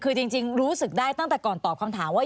คือจริงรู้สึกได้ตั้งแต่ก่อนตอบคำถามว่า